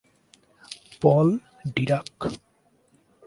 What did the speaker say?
Paul Dirac.